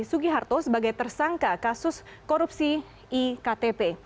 sugi harto sebagai tersangka kasus korupsi iktp